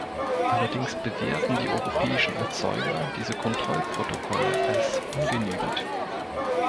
Allerdings bewerten die europäischen Erzeuger diese Kontrollprotokolle als ungenügend.